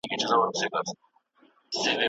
لکه سپینه نقره نقش په ګلغوټۍ شي